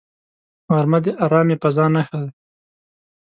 غرمه د آرامې فضاء نښه ده